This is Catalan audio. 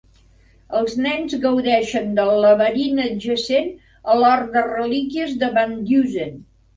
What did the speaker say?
Els nens gaudeixen del laberint adjacent a l'hort de relíquies de VanDusen.